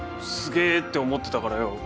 すげえって思ってたからよ